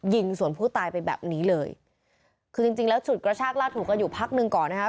ยิงสวนผู้ตายไปแบบนี้เลยคือจริงจริงแล้วฉุดกระชากลากถูกันอยู่พักหนึ่งก่อนนะคะ